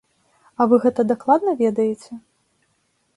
А вы гэта дакладна ведаеце?